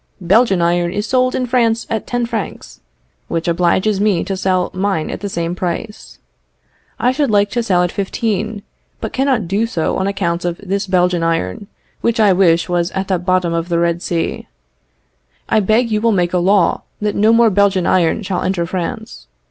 "Belgian iron is sold in France at ten francs, which obliges me to sell mine at the same price. I should like to sell at fifteen, but cannot do so on account of this Belgian iron, which I wish was at the bottom of the Red Sea. I beg you will make a law that no more Belgian iron shall enter France.